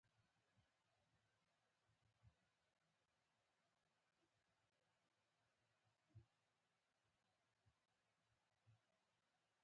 نورستان د افغانستان د شنو سیمو ښکلا ده.